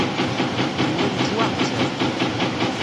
Nella nettwaɛettab.